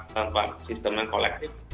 karena kalau tanpa sistem yang kolektif